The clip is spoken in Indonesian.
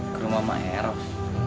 ke rumah sama eros